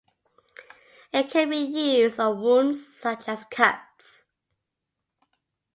It can be used on wounds such as cuts.